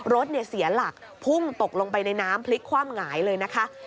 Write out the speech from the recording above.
รถเสียหลักพุ่งตกลงไปในน้ำพลิกคว่ำหงายเลยนะคะ